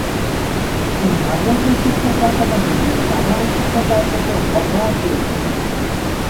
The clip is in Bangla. তিনি মাদ্রাসা শিক্ষার পাশাপাশি তিনি সাধারণ শিক্ষা কার্যক্রম অব্যাহত রেখেছিলেন।